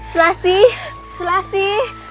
selasi dimana nak